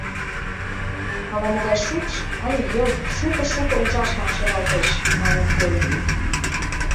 Ала-могай шукш ала йыл шуко-шуко ужашлан шелалтеш, маныт гойо.